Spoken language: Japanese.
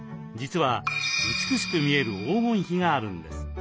実は美しく見える黄金比があるんです。